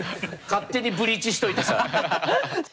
勝手にブリーチしといてさ。